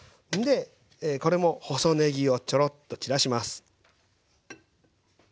これも細ねぎをちょろっと散らします。